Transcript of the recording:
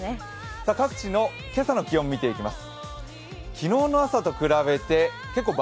各地の今朝の気温を見ていきます。